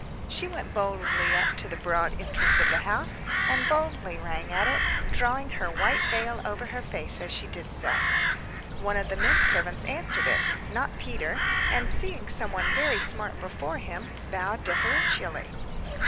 She went boldly up to the broad entrance of the house, and boldly rang at it, drawing her white veil over her face as she did so. One of the men servants answered it, not Peter; and, seeing somebody very smart before him, bowed deferentially.